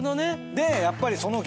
でやっぱり。